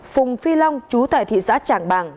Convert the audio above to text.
phùng phi long chú tại thị xã tràng bàng